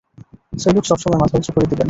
Salute সবসময় মাথা উঁচু করে দিবেন!